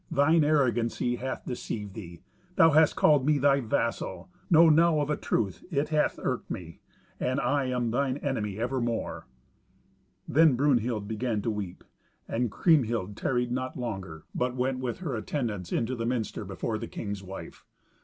Thine arrogancy hath deceived thee. Thou hast called me thy vassal. Know now of a truth it hath irked me, and I am thine enemy evermore." Then Brunhild began to weep, and Kriemhild tarried not longer, but went with her attendants into the minster before the king's wife.